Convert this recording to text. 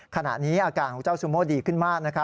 ขณะนี้อาการของเจ้าซูโมดีขึ้นมาก